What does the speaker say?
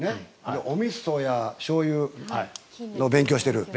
おみそやしょうゆの勉強をしてる。